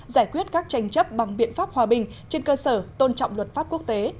giải quyết các tranh chấp bằng biện pháp hòa bình trên cơ sở tôn trọng luật pháp quốc tế